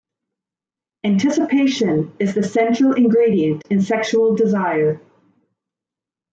Anticipation is the central ingredient in sexual desire.